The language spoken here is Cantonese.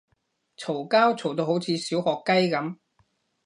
嘈交嘈到好似小學雞噉